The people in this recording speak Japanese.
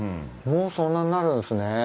もうそんなになるんすね。